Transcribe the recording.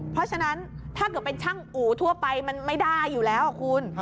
เพราะฉะนั้นถ้าเกิดเป็นช่างอู่ทั่วไปมันไม่ได้อยู่แล้วคุณ